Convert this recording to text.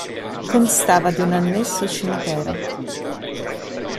Constava di un annesso cimitero.